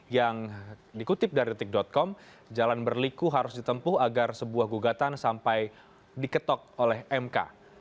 yang dikutip dari detik com jalan berliku harus ditempuh agar sebuah gugatan sampai diketok oleh mk